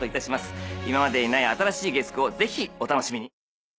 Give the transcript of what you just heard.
今までにない新しい月９をぜひお楽しみに。